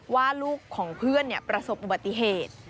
ว่าลูกของเพื่อนประสบอุบัติเหตุ